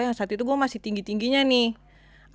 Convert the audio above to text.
yang saat itu gue masih tinggi tingginya nih